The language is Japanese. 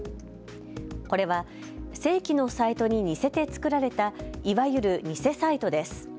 これは正規のサイトに似せて作られたいわゆる、偽サイトです。